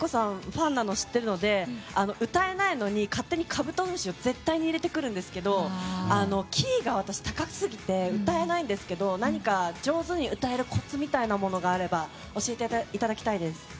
ファンなの知っているので、歌えないのに勝手に「カブトムシ」を絶対に入れてくるんですけどキーが高すぎて歌えないんですけど何か上手に歌えるコツみたいなのがあれば教えていただきたいです。